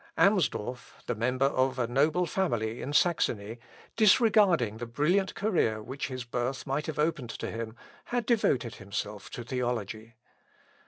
Amsdorf, the member of a noble family in Saxony, disregarding the brilliant career which his birth might have opened to him, had devoted himself to theology.